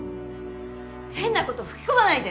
変なこと吹き込まないで！